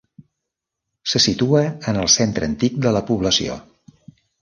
Se situa en el centre antic de la població.